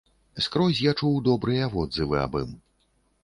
Скрозь я чуў добрыя водзывы аб ім.